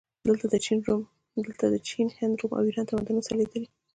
دلته د چین، هند، روم او ایران تمدنونه سره لیدلي